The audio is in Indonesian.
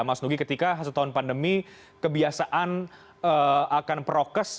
mas nugi ketika setahun pandemi kebiasaan akan prokes